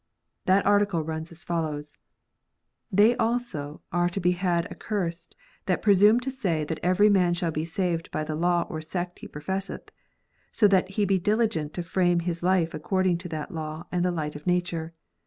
That article runs as follows :" They also are to be had accursed that presume to say that every man shall be saved by the law or sect he professeth, so that he be diligent to frame his life according to that law and the light of nature.